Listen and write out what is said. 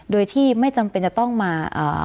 โดยที่ไม่จำเป็นจะต้องมา